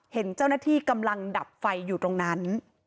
เห็นเจ้าหน้าที่กำลังดับไฟอยู่ตรงนั้น